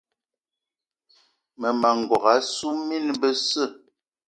Mmema n'gogué assu mine besse.